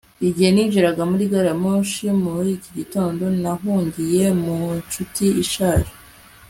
igihe ninjiraga muri gari ya moshi muri iki gitondo, nahungiye mu nshuti ishaje